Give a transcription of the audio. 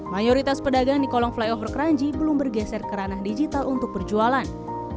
mayoritas pedagang di kolong flyover kranji belum bergeser ke ranah digital untuk berjualan